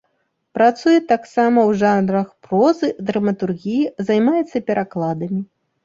Працуе таксама ў жанрах прозы, драматургіі, займаецца перакладамі.